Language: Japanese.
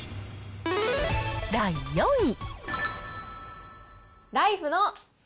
第４位。